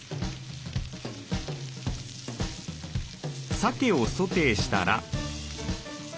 さけをソテーしたら。